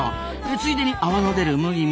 ついでに泡の出る麦も。